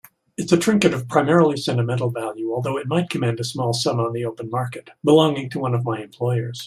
It's a trinket of primarily sentimental value, although it might command a small sum on the open market, belonging to one of my employers.